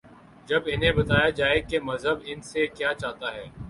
جب انہیں بتایا جائے کہ مذہب ان سے کیا چاہتا ہے۔